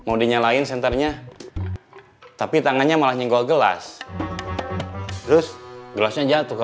mau dinyalain senternya tapi tangannya malah nyenggol gelas terus gelasnya jatuh ke